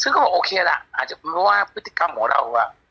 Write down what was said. ซึ่งก็โอเคละอาจจะบอกว่าพฤติกรรมของเราอ่ะ